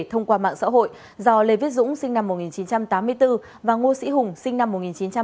thông qua mạng xã hội do lê viết dũng sinh năm một nghìn chín trăm tám mươi bốn và ngô sĩ hùng sinh năm một nghìn chín trăm tám mươi